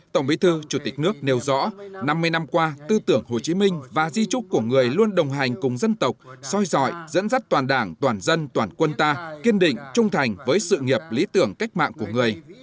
tổng bí thư chủ tịch nước nêu rõ năm mươi năm qua tư tưởng hồ chí minh và di trúc của người luôn đồng hành cùng dân tộc soi dọi dẫn dắt toàn đảng toàn dân toàn quân ta kiên định trung thành với sự nghiệp lý tưởng cách mạng của người